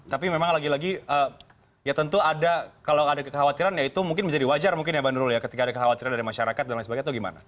tapi memang lagi lagi ya tentu ada kalau ada kekhawatiran ya itu mungkin menjadi wajar mungkin ya mbak nurul ya ketika ada kekhawatiran dari masyarakat dan lain sebagainya atau gimana